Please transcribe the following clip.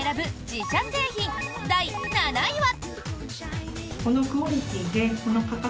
自社製品第７位は。